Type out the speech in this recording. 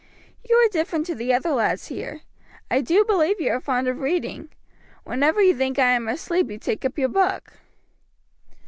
You are different to the other lads here. I do believe you are fond of reading. Whenever you think I am asleep you take up your book."